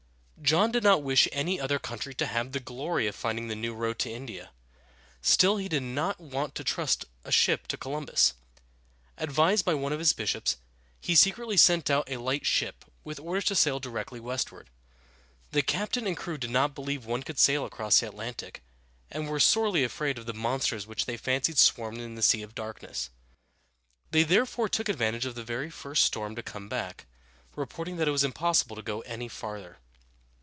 John did not wish any other country to have the glory of finding the new road to India; still, he did not want to trust a ship to Columbus. Advised by one of his bishops, he secretly sent out a light ship, with orders to sail directly westward. The captain and crew did not believe one could sail across the Atlantic, and were sorely afraid of the monsters which they fancied swarmed in the Sea of Darkness. They therefore took advantage of the very first storm to come back, reporting that it was impossible to go any farther.